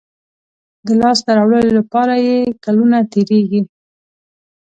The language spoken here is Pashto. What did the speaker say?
د لاسته راوړلو لپاره یې کلونه تېرېږي.